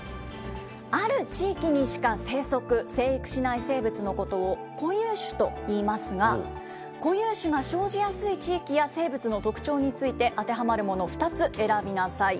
ある地域にしか生息・生育しない生物のことを固有種といいますが、固有種が生じやすい地域や生物の特徴について当てはまるものを２つ選びなさい。